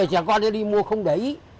ôi là chàng con nó đi mua không để ý